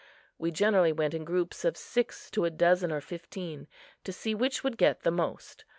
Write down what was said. We generally went in groups of six to a dozen or fifteen, to see which would get the most.